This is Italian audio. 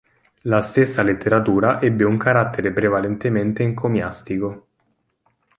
La stessa letteratura ebbe un carattere prevalentemente encomiastico.